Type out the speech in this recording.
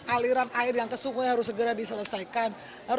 aliran air yang kesungguhnya harus segera diselesaikan